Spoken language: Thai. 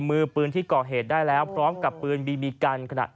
มือปืนที่ก่อเหตุได้แล้วพร้อมกับปืนบีบีกันขนาด